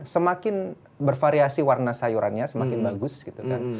semakin bervariasi warna sayurannya semakin bagus gitu kan